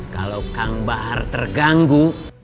kalau kang bahar terganggu